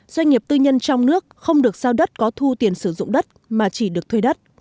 doanh nghiệp tư nhân trong nước không được giao đất có thu tiền sử dụng đất mà chỉ được thuê đất